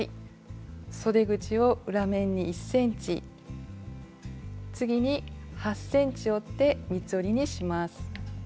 そで口を裏面に１ｃｍ次に８ｃｍ折って三つ折りにします。